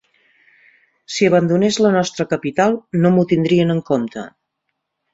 Si abandonés la nostra capital, no m'ho tindrien en compte.